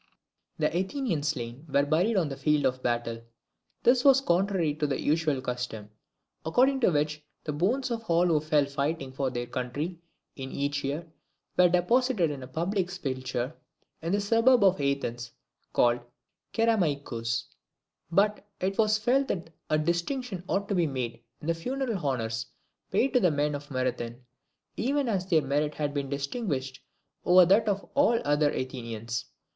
] The Athenian slain were buried on the field of battle. This was contrary to the usual custom, according to which the bones of all who fell fighting for their country in each year were deposited in a public sepulchre in the suburb of Athens called the Cerameicus. But it was felt that a distinction ought to be made in the funeral honours paid to the men of Marathon, even as their merit had been distinguished over that of all other Athenians.